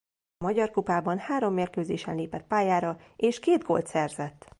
A Magyar kupában három mérkőzésen lépett pályára és két gólt szerzett.